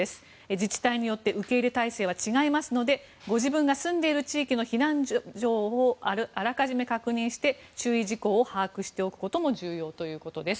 自治体によって受け入れ体制は違いますのでご自分が住んでいる地域の避難情報をあらかじめ確認して注意事項を把握していくことも大事だということです。